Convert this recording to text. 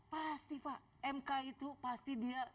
pasti pak mk itu pasti dia